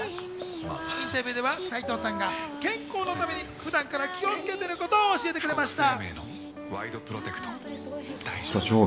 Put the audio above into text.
インタビューでは斎藤さんが健康のために普段から気をつけてることを教えてくれました。